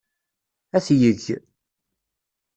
Ad t-yeg.